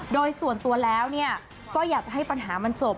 โดยส่วนตัวแล้วก็อยากจะให้ปัญหามันจบ